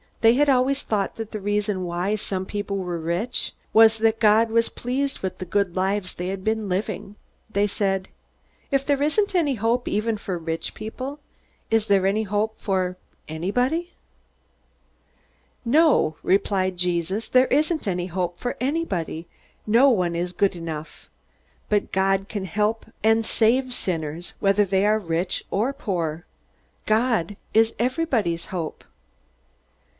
They had always thought that the reason why some people were rich was that God was pleased with the good lives they had been living. They said, "If there isn't any hope even for rich people, is there any hope for anybody?" "No," Jesus replied, "there isn't any hope for anybody. No one is good enough. But God can help and save sinners, whether they are rich or poor. God is everybody's hope."